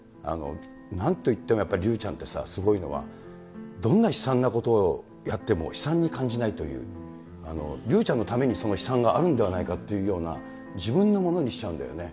なんといってもやっぱり、竜ちゃんってすごいのは、どんな悲惨なことをやっても悲惨に感じないという、竜ちゃんのためにその悲惨があるんではないかっていうような、自分ものにしちゃうんだよね。